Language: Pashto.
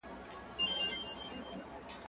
زه اوږده وخت موسيقي اورم وم،